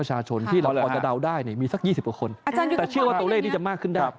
แต่เชื่อว่าตรงเลขนี้จะมากขึ้นได้